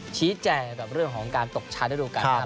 ชี้แจกับเรื่องของการตกชั้นด้วยดูกันนะครับ